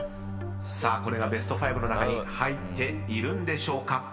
［さあこれがベスト５の中に入っているんでしょうか？］